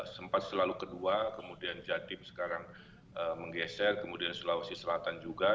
sempat selalu kedua kemudian jatim sekarang menggeser kemudian sulawesi selatan juga